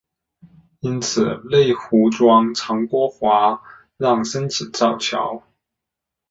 因此内湖庄长郭华让申请造桥。